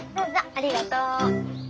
ありがとう。